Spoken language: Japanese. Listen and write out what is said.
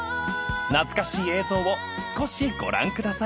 ［懐かしい映像を少しご覧ください］